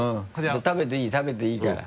食べていい食べていいから。